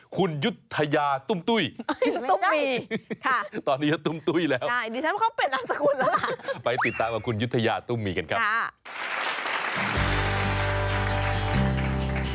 คุณยุทยาตุ้มตุ้ยตอนนี้จะตุ้มตุ้ยแล้วไปติดตามมาคุณยุทยาตุ้มมีกันครับค่ะ